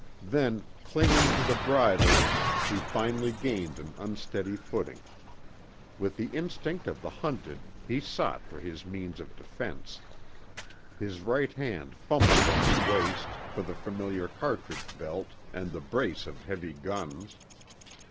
Then, clinging to the bridle, he finally gained an unsteady footing. With the instinct of the hunted he sought for his means of defense. His right hand fumbled at his waist for the familiar cartridge belt and the brace of heavy guns.